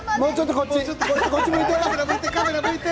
こっち向いて。